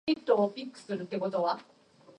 The evaluation consists of ten objectives.